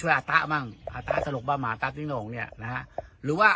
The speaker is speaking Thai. ช่วยอาตะบ้างอาตะสลกบ้างหมาอาตะติ๊กโหน่งเนี้ยนะฮะหรือว่า